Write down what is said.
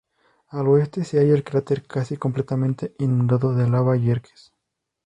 Al oeste se halla el cráter casi completamente inundado de lava Yerkes.